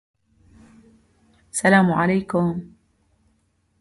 Acheampong was married to Mrs. Faustina Acheampong.